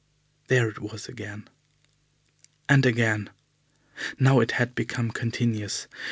There it was again! And again! Now it had become continuous.